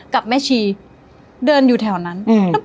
กับแม่ชีเดินอยู่แถวนั้น